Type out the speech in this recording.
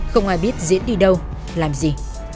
không ai biết diễn đi đâu làm gì